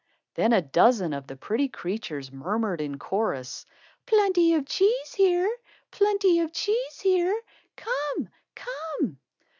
Then a dozen of the pretty creatures murmured in chorus: "Plenty of cheese here. Plenty of cheese here. Come, come!"